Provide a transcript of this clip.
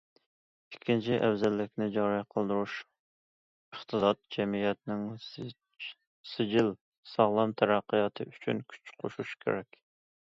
ئىككىنچى، ئەۋزەللىكنى جارى قىلدۇرۇپ، ئىقتىساد، جەمئىيەتنىڭ سىجىل، ساغلام تەرەققىياتى ئۈچۈن كۈچ قوشۇش كېرەك.